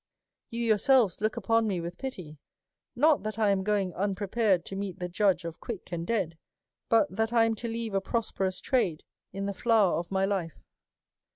You yourselves look upon me with pity, not that I am g oing unprepared to meet the Judge of quick and dead ; but that I am to leave a prosperous trade in the flower of my life.